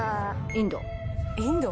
「インド？」